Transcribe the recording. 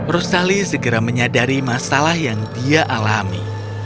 rosali segera menyadari masalah yang dia alami